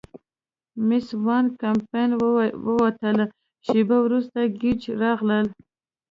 مېس وان کمپن ووتل، شیبه وروسته ګېج راغلل.